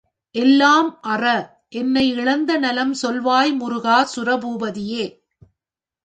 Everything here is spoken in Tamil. எல்லாம்அற, என்னை இழந்தநலம் சொல்லாய்முரு கா! சுர பூபதியே!